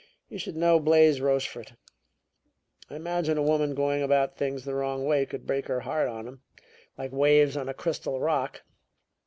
You should know Blais Rochefort. I imagine a woman going about things the wrong way could break her heart on him like waves on a crystal rock.